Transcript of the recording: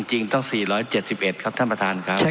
จริงต้อง๔๗๑ครับท่านประธานครับ